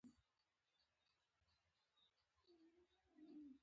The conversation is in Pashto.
کارغان او ټپوسان یې د وجود هر بند.